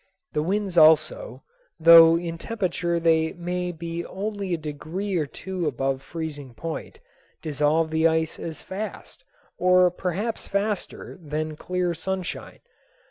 The winds also, though in temperature they may be only a degree or two above freezing point, dissolve the ice as fast, or perhaps faster, than clear sunshine.